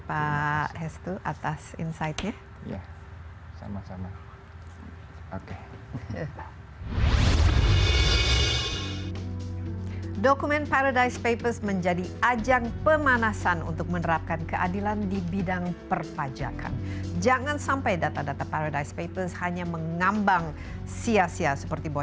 penerimaan pajak di indonesia juga bisa sesuai dengan target ya